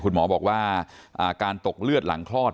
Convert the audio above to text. คุณหมอบอกว่าการตกเลือดหลังคลอด